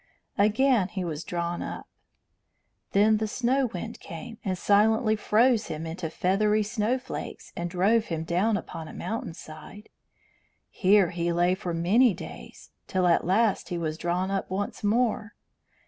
Again he was drawn up. Then the snow wind came and silently froze him into feathery snowflakes, and drove him down upon a mountain side. Here he lay for many days, till at last he was drawn up once more.